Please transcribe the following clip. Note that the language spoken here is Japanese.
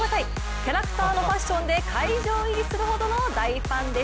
キャラクターのファッションで会場入りするほどの大ファンです。